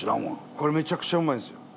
これめちゃくちゃうまいんすよ。